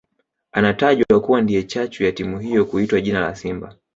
Anatajwa kuwa ndiye chachu ya timu hiyo kuitwa jina la Simba